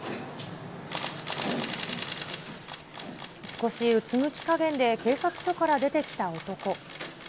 少しうつむき加減で警察署から出てきた男。